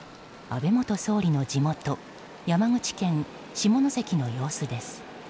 安倍元総理の地元山口県下関市の様子です。